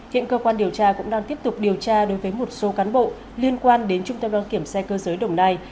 hiện cơ quan điều tra cũng đang tiếp tục điều tra đối với một số cán bộ liên quan đến trung tâm đăng kiểm xe cơ giới đồng nai